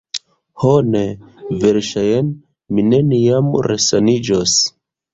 Ho ne; verŝajne mi neniam resaniĝos...